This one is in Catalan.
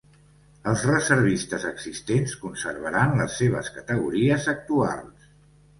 Els reservistes existents conservaran les seves categories actuals.